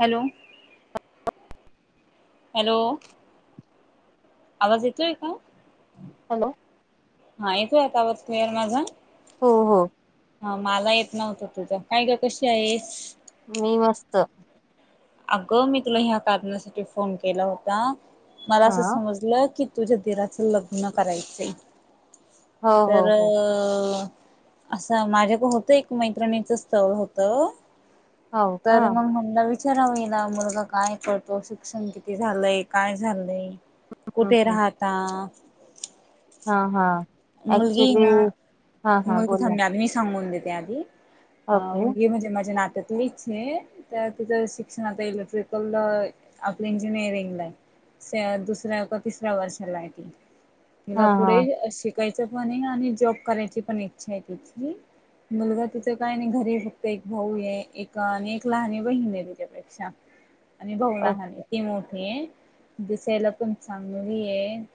Hello! Hello आवाज येतोय का हॅलो हा येतोय आता आवाज क्लिअर माझा हो हो हा माला येत नव्हतं तुझं काय ग कशी आहेस मी मस्त अगं मी तुला ह्या कारणासाठी फोन केला होता मला हा असं समजलं की तुझ्या दिराचं लग्न करायचं हो हो तर हो अ असं माझ्याक होतं एक मैत्रिणीचं स्थळ होत हो का तर मग म्हणल विचा विचारावा इला मुलगा काय करतो शिक्षण किती झालंय काय झालंय हम्म कुठे हम्म राहता हा हा मुलगी ऍक्च्युली हा हा हाय बोला ना [unintelligible] मी सांगून दित देते आधी अ ओके मुलगी म्हणजे माझ्या नाते त्या तिचे तर तिचं शिक्षण आता इलेक्ट्रिकल आपलं इंजिनिअरिंग ला आहे दुसऱ्या का तिसऱ्या वर्षाला ये ती हा तिला हा पुढे शिक कायच पण हे आणि जॉब करायची पण इच्छा आहे तिची मुलगा तीच काय नाही, घरी फक्त एक भाऊ हे एक आणि एक लहानी बहीण आहे तीच्यापेक्षा आणि भाऊ अ- लाहना ती मोठ दिसायला पण चांगली हे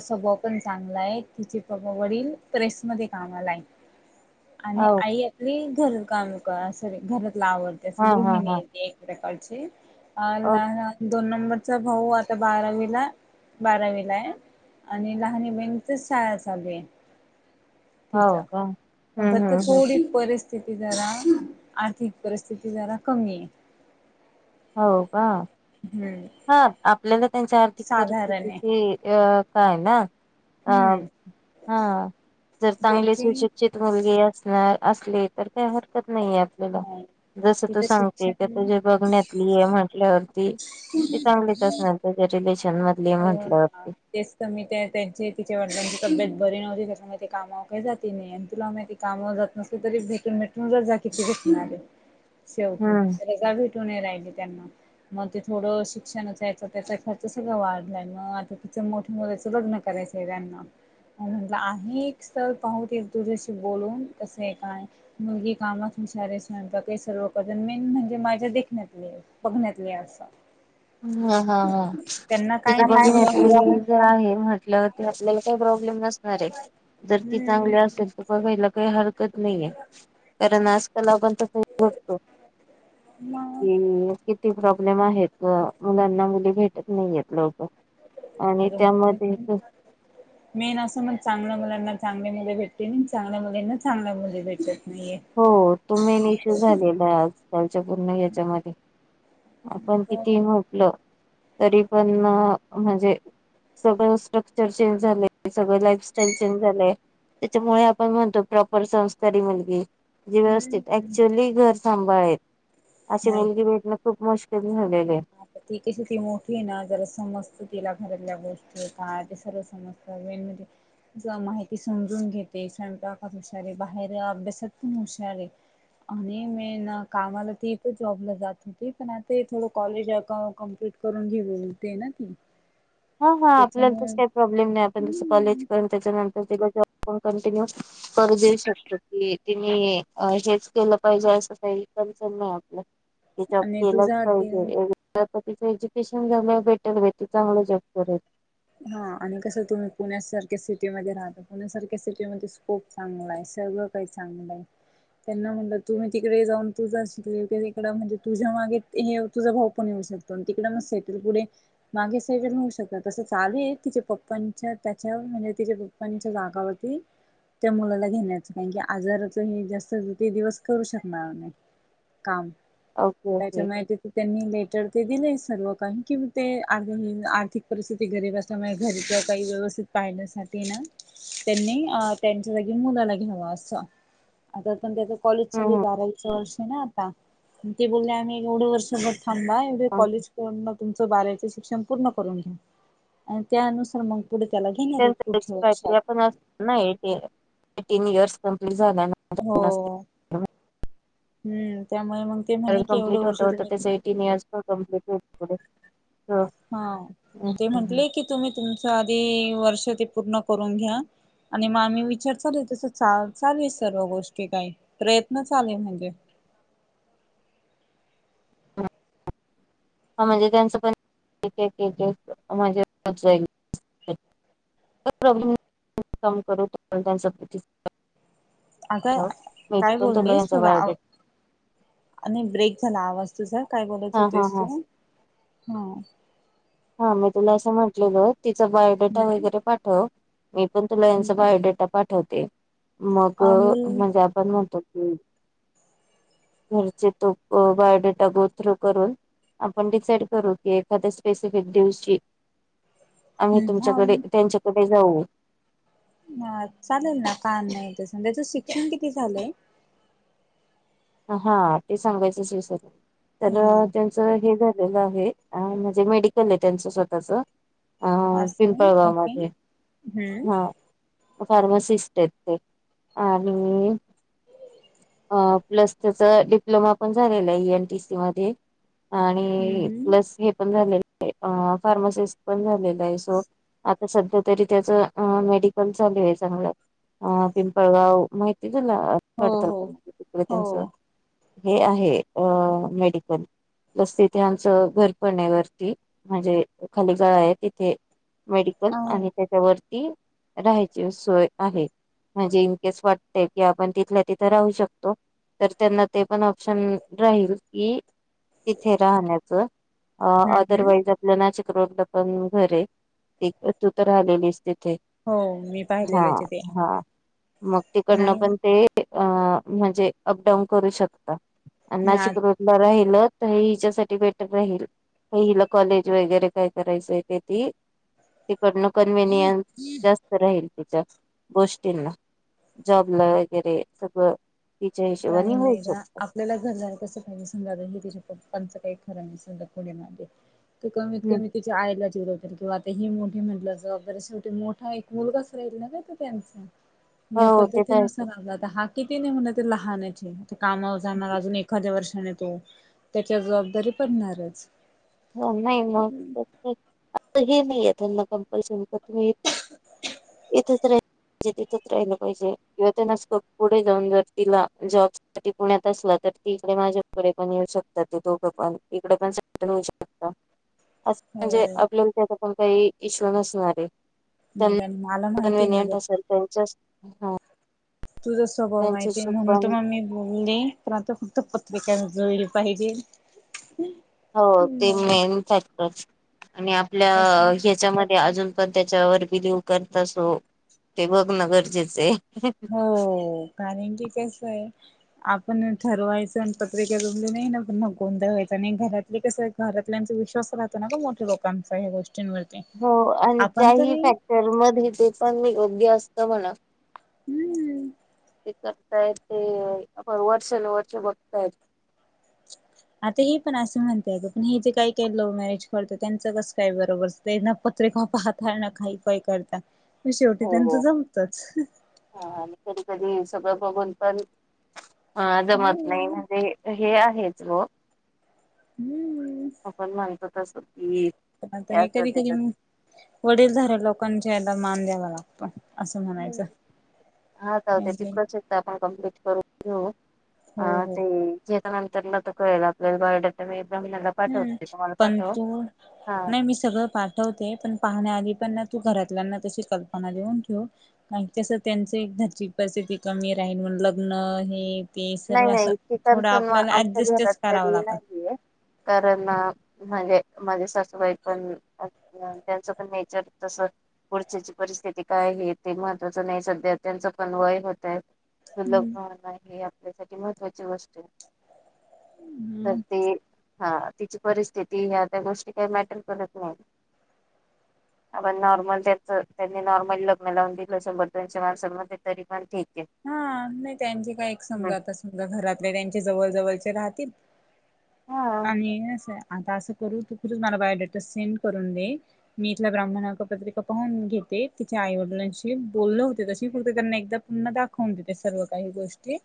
स्वभाव पण चांगला आहे तिचे प वडील प्रेस मध्ये कामाला हे. आणि हो आई आपली घर काम क सॉरी घरात आवरते असं हा हा गृहिणी हा हे ती एक प्रकारची ल अ- दोन न बरचा भाऊ आता बारावीला बारावीला आहे? आणि लहान बहिणीचच शाळा चालू आहे हो तिचा का हम्म फक्त हम्म हम्म थोडी परिस स्थिती जरा आर्थिक परिस्थिती जरा कमी हे हो का हा आपल्याला त्यांच्या आर्थिक साधारण आहे परिस्थितीची अ काय ना अ हम्म हा जर चांगली त्यांची सुशिक्षित मुलगी असणार असले तर त्या हर कत नाहीये आपल्याला नाही जसं तू तिथं सांगते का शिक्षण तुज्या बघण्यातली हे म्हटल्यावरती ते चांगलीच असणार त्याच्या रिलेशन मध्य हो तेच त मी त्या त्यांचे तिच्या वडलाची तब्येत ब री नवती त्याच्यामुळे ते कामावर काही जाती नाही आणि तुला माहीती ते कामावर जात नस तरी भेटून भेटून जर जा की रे सेवटी हम्म. तरी जा भे टू नही राहिली त्यांना मग ते थोडं शिक्षनाचा याचा त्याचा खर्च सगळ वाढ म आता तिचं मोठे मुलीच लग्न करायचं त्यांना म्हटलं आहे एक स्थळ पाहू ते तुझ्याशी बोलून कस आहे काय मुलगी कामात सारे स्वयंपाक ही सर्व करते मेन म्हणजे माझ्या देखण्यातली बघण्यातली असं हा हा हा. [unintelligible] त्यांना काही नाही मुलगा हुशार ज आहे म्हटलं ते आपल्याला काय प्रॉब्लेम खरय जर ती हम्म चांगली असेल तर बघायला काही हर नाहीे ये कारण आजकाल आपण त तो मग कि किती प्रॉब्लेम आहेत मुलांना मुली भेटत नाहीयेत लवकर अ आणि त्यामध्ये मेन असं म चांगलं मुलांना चांगले मुल भेटती नाही चांगल्या मुलींना चांगल्या मुल भेटत नाहीये. हो तो मेन इशू झालेला आजकालच्या पूर्ण याच्यामध्ये आपण किती म्हटलं तरी पण म अ म्हणजे सगळं स्ट्रक्चर चेंज झालं सगळं लाइफस्टाईल चेंज झालेय त्याच्यामुळे आपण म्हणतो प्रॉपर संस्कारी मुलगी जी व्यवस्थित हम्म ऍक्च्युली घर सांभाळेल अशी मुलगी भेटन खूप मुश्किल झालय ह ती कशी ती मोठी ना जरा समजत तिला घरातल्या गो ष्टी काय ते सर्व समजत मेन म्हणजे ज माहिती समजून घेते स्वयंपाकात हुशार बाहेर अभ्यासात पण हुशार हे आणि मेन कामाला ती पण जॉबला जात होती पण आता हे थोडं कॉलेज कमप्लीट करून घेऊते ना ती हा हा आपल्याला तस त्याच्यामुळे काही प्रॉब्लेम नाही आपण तसं कॉलेज करू त्याच्यानं तर तीला जॉब कंटिन्यू कर देऊ शकतो की तिणे आ हेच केलं पाहिजे तस काही कनसन नाही आपलं. जॉब आणि केलाच तुझा पाहिजे ते एकदा का तीच एज्युकेशन झालं भेटल भेट चांगलं जॉब पुरेत. हा आणि कसं तुम्ही पुण्यासारख्या सिटीमध्ये राहता, पुण्यासारख्या सिटी मध्ये स्कोप चांगला आहे. सगळं काही चांगलंय. त्यांना म्हटलं तुम्ही तिकडे जाऊन तुझा शले त म्हणजे तुझ्या मागे हे तुझा भाऊ पण येऊ शकतो अन तिकडे म सेटल पुढे मागे सगळीकडन होऊ शकत तसेच चालू आहे तिच्या पप्पांच्या त्याच्या म्हणजे तिच्या पप्पांच्या जागावरती. त्या मुलाला घेण्याच कारण की आजाराच हे जास्त ते दिवस करू शकणार नाही. काम ओके ओके त्याच्या माहिती त्यांनी लेट टर ते दिले सर्व लोकांनी कि ते [unintelligible] आर्थिक परिस्थिती गरीब असल्यामुळे घरीच्या काही व्यवस्थित पाहण्यासाठी ना. त्यांनी त्यांच्या जागी मुलाला घ्यावा अस आता पण त्याच कॉलेज चालू हम्म बारावीच वर्षी ना आता ते बोलले आम्ही एवढं वर्ष बघ थांबा एवढे कॉलेज त्यांच मग तुमचं बारावीचें शिक्षण पूर्ण करून घेऊ. अन त्या अनुसार मग आहे पण त्याची पुढच्या वर्षात प्रक्रिया पण असती नाही ते. एटीन इयर्स कंप्लीट झाल्या नंतर असते हो म्हणून. हम्म त्या कारण कंप्लीट होत होत त्या एटीन इयर्स पण कंप्लिट हो. हा मग ते म्हंटले की तुम्ही तुमच आधी वर्ष ते पूर्ण करून घ्या. आणि मग आम्ही विचार चालू तस चालू आहे सर्व गोष्टी काही प्रयत्न चाले म्हणजे. [inaudible] [inaudible] हा म्हणजे त्यांचं पण म्हणजे [unintelligible] कही प्रॉब्लेम काम करू [unintelligible] अग मी काय पण तुला बोललीस यांचा थोडा आव बायोडेटा आणि ब्रेक झाला आवाज. तुझा काय बोलत हा हा होतेस हा तू हा. हा मी तुला असं म्हटलेल तिचा बायोडेटा हम्म वगैरे पाठव. मी पण तुला यांचा हम्म बायोडेटा पाठवते मग अमूल म्हणजे आपण म्हणतो ह् घरचे तो बायोडेटा गोथ्रू करून. आपण डिसाईड करू की एखाद्या स्पेसिफिक दिवची आम्ही हा तुमच्याकडे त्यांच्याकडे जाऊ. हा चालेल ना काम नाही तस त्याचं शिक्षण किती झालंय. हा ते सांगायचं विसरले तर अ हा त्यांचं हे झा लेल आहे म्हणजे मेडिकल आहे त्यांच स्वतःच. अस आहे पिंपळगाव ओके मध्ये हम्म. हा फार्मासिस्ट आहेत ते आणि प्लस त्याचा डिप्लोमा पण झालेला आहे एएनटीसी मध्ये. हम्म आणि हम्म प्लस हे पण झालेलं आहे फार्मासिस्ट पण झालेलं आहे सो आ सध्या तरी त्याच मेडिकल चालू आहे चांगलं पिंपळगाव माहिते तुला हो हो हो [unintelligible] हे आहे अ मेडिकल. बस तिथे आमचं घर पण हे वरती म्हणजे खाली गळा आहे तिथे मेडिकल अ आणि हम्म त्याच्यावरती राहायची सोय आहे. म्हणजे इनकेस वाटते कि आपण तिथल्या तिथं राहू शकतो. तर त्यांना ते पण ऑप्शन राहील की तिथे राहण्याच हम्म अदरवाईज आपल्या ना. [unintelligible] घरय एक तू तर आलेली असते ते हो मी हा पाहिलेलंच ते हा मग तिकडनं नाही पण ते अ म्हणजे अपडाऊन करू शकतात मी आज नाशिक रोडला राहील तर हिच्यासाठी बेटर राहील. पहिला कॉलेज वगैरे काय करायचंय ते ती करण कन्व्हनियन्स जास्त राहील. गोष्टींना जॉबला वगैरे सगळं तिच्या काय हिशोबाने होऊ नाही का शकत. आपल्याला घर जाय कसं पाहिजे समजा हे तच्या पप्पा च का खर नाहीसधा पुढ मागे तर कमीत कमी तिच्या आईला जरो तर वा आता ही मोठी म्हटलं जबाबदारी शेवटी मोठा एक मुलगाच राहील ना का तो त्यांचा या हो ते तर आहे. पद्धतीनुसार आला आता हा किती नाही म्हटल तर लहान च ये. कामावर जाणार अजून एखाद्या वर्षाने तो त्याच्यावर जबाबदारी पडणारच. ह नाही मग [unintelligible] हे नाहीय त्यांना कंपल्सरी की तुम्ही इथच राही म्हणजे तिथंच राहिलं पाहिजे किंवा त्यांना स्कोप पुढे जाऊन जर तिला जॉब स पुण्यात असला तर तर इकडे माझ्याकडे पण येऊ शकतात ते दोघं पण इकडे पण सेटल होऊ शकतात. अस हो म्हणजे आपल्याला त्याचा पण काही इशू नसणारे नाही का मला त्यांना माहिती ना कन्वनियंट ग असेल त्यांच्या तुझा स्वभाव माहिती आहे त्यांच्याशी म्हणून त पण मग मी बोलले पण आता फक्त. पत्रिका जुळली पाहिजे हो ते मेन फॅक्टर आणि आपल्या कसं ह्याच्यामध्ये ते अजून पण त्याच्यावर बिलीव करत असो ते बघण गरजेचे हो कारण की कस आहे आपण ठरवायचं पत्रिका जमली नाही ना की मग गोंधळ वयाचा आणि घरातले कसं घरातल्यांचा विश्वास राहत ना मोठे लोकांचा या गोष्टींवर हो आणि काही फॅक्टर मध्ये ते पण योग्य असत म्हणा हम्म हम् करताय ते आपण वर्षानुवर्ष बघताय. आता हे पण असं म्हणते ग पण हे जे काय काय लव्ह मॅरेज करतं त्यांचं कसं काय बरोबर त्यांना पत्रिका पाहतात ना काही काय करतात. म शेवटी हो. त्यांचं जमतच हाह हा आणि कधी कधी सगळं बघून पण जमत नाही म्हणजे हे आहे. हेच हो हम्म्म तथास्तु ता हे कधी कधी वडीलधारे लोकांच्या याला मान द्यावा लागतो. अस म्हणायचं. हा जाउद्या ती हो प्रोसेस आपण कम्प्लीट करून घेऊ हो ते जे नंतरला त कळेल आपल्याला बायोडाटा मी ब्राह्मणाला हम्म पाठवते तुम्हाला पण पाठव. तू हा नाही मी सगळं पाठवते पण पाहण्याआधी पण ना तू घरातल्यांना तशी कल्पना देऊन ठेव तस त्यां घरची परिस्थिती कमी राहील म्ह लग्न हे ते नाही सर्व असं नाही चिकन थोडं पण आपल्याला आमच्या घरात ऍडजस्टच करावं तरी लागत. नाहीये कारण म्हणजे माझी सासूबाई पण त्यांचं पण नेचर तस पुढचीची परिस्थिती काय आहे ते महत्वाचं नाही सध्या त्यांच पण वय होतय. सुलभ होण हे आपल्यासाठी महत्वाची गोष्ट आहे. तर ते हा तिची परिस्थिती ह त्या गोष्टी काही मॅटर करत नाही आपण नॉर्मल त्याच त्यांनी नॉर्मल लग्न लावून दिलं शंभर दोनशे माणसांमध्ये तरी पण ठीक. आहे. हा नाही त्यांचे काय एक हं. समजा आ समजा घरातले त्यांचे जवळ जवळचे राहतील. हा आणि अस आता असं करू तू खुच मला बायोडेट सेंड करून दे मी इथल्या ब्राह्मणा आला की पत्रिका पाहून घेत ते तिच्या आई वडिलांशी बोलण होते तशी करते त्यांना एकदा पुन्हा दाखव. वून देते सर्व काही गोष्टी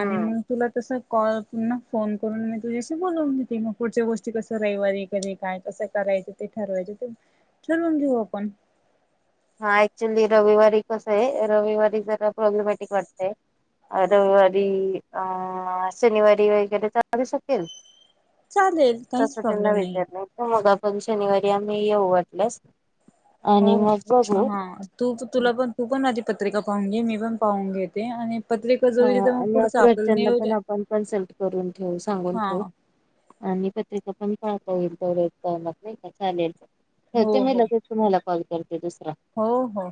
आणि मग तुला तस कॉल पुन्हा फोन करून मी तुझ्याशी बोलवून घेते मग पुढच्या गोष्टी कस रविवारी कधी काय कसं करा च ते ठरवायचं ते ठरवून घेऊ आपण. हा ऍक्च्युली रविवारी कस आहे रविवारी जरा प्रॉब्लेमॅटिक वाटतय. रविवारी अं शनिवारी वगैरे चालू शकेल. चालेल काहीच तस त्यांना प्रॉब्लेम नाही विचारलं मग पण शनिवारी आम्ही येऊ वाटल्यास आणि हो मग. बघू हा तू तुला पण तू पण माझी पत्रिका पाहून घे मी पण पाहून घेेते आणि पत्रिका हा जुळली तर मग आणि पुढचं आपलं घरच्यांना पण नियोजन आपण कन्सल्ट करून ठेवु सांगून हा ठेऊ. आणि पत्रिका पण पाहता येईल तेवढ्या टाईमात नाही का चालेल. हो करते मी हो लगेच तुम्हाला कॉल. करते दुसरा. हो. हो.